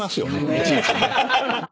いちいちね。